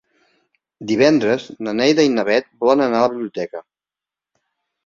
Divendres na Neida i na Bet volen anar a la biblioteca.